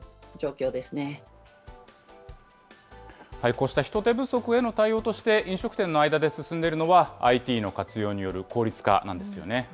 こうした人手不足への対応として、飲食店の間で進んでいるのは、ＩＴの活用による効率化なんですよね。